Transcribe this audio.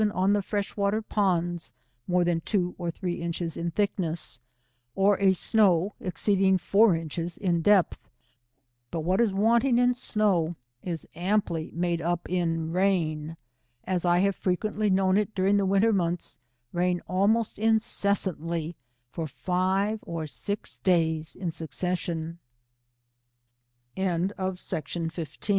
on the fresh water ponds, more than two or three inches in thickness, or a snow exceeding four inches in depth, but what is wanting in snow, is amply made up in rain, as I have frequently known it during the winter months, rain almost incessantly for five